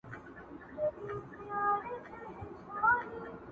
خالقه ژوند مي نصیب مه کړې د پېغور تر کلي،